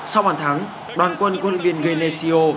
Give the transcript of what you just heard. sau bàn thắng đoàn quân quân viên genesio